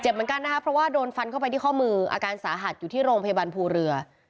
เหมือนกันนะคะเพราะว่าโดนฟันเข้าไปที่ข้อมืออาการสาหัสอยู่ที่โรงพยาบาลภูเรือ